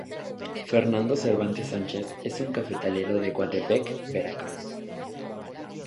Fernando Cervantes Sánchez es un cafetalero de Coatepec, Veracruz.